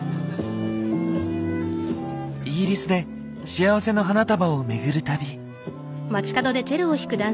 イギリスで幸せの花束をめぐる旅。